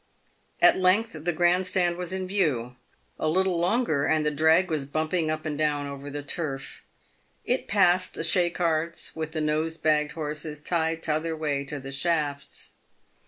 At length the grand stand was in view. A little longer and the /drag was bumping up and down over the turf. It passed the shay carts with the nose bagged horses tied t'other way to the shafts.